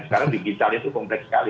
sekarang digitalnya itu kompleks sekali